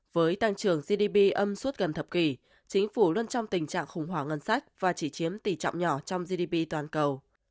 với tăng trưởng gdp âm suốt gần thập kỷ chính phủ luôn trong tình trạng khủng hoảng ngân sách và chỉ chiếm tỷ trọng nhỏ trong gdp toàn cầu